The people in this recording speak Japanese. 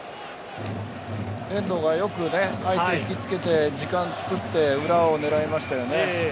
遠藤がよく相手を引きつけて時間を作って裏を狙いましたよね。